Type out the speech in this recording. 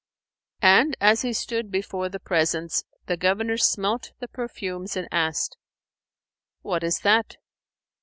And as he stood before the presence, the Governor smelt the perfumes and asked, "What is that?"